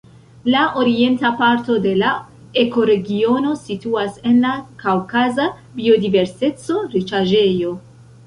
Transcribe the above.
La orienta parto de la ekoregiono situas en la kaŭkaza biodiverseco-riĉaĵejo.